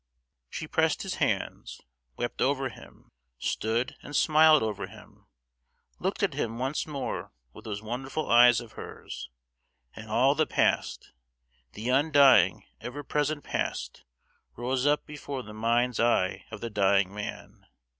She pressed his hands, wept over him, stood and smiled over him, looked at him once more with those wonderful eyes of hers, and all the past, the undying ever present past rose up before the mind's eye of the dying man.